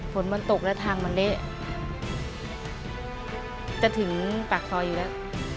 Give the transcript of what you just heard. ฝนมันตกแล้วทางมันเละจะถึงปากซอยอยู่แล้ว